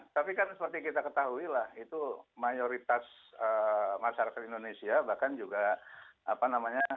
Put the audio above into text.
tapi kan seperti kita ketahui lah itu mayoritas masyarakat indonesia bahkan juga apa namanya